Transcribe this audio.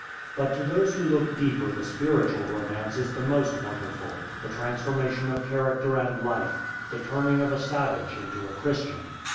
But to those who look deeper the spiritual romance is the most wonderful — the transformation of character and life, the turning of a savage into a Christian.